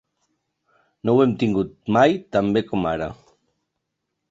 No ho hem tingut mai tan bé com ara